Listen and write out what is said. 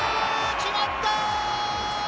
決まった！